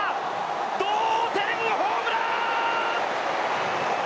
同点ホームラン！